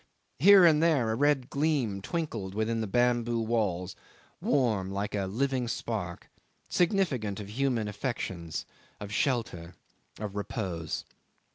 Here and there a red gleam twinkled within the bamboo walls, warm, like a living spark, significant of human affections, of shelter, of repose.